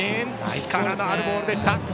力のあるボールでした。